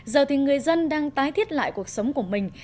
giờ thì người dân đang tái thiết lại cuộc sống của mình